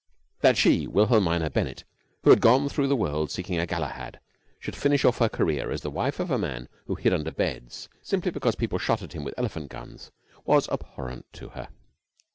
That she, Wilhelmina Bennett, who had gone through the world seeking a Galahad, should finish her career as the wife of a man who hid under beds simply because people shot at him with elephant guns was abhorrent to her.